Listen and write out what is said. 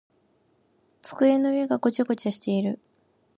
机の上がごちゃごちゃしている。